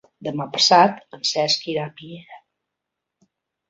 Demà passat en Cesc irà a Piera.